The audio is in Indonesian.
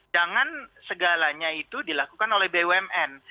jangan segalanya itu dilakukan oleh bumn